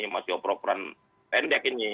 masih oper operan pendek ini